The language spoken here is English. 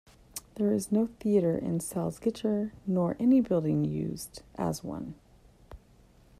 There is no theatre in Salzgitter nor any building used as one.